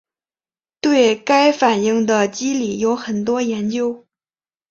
对该反应的机理有很多研究。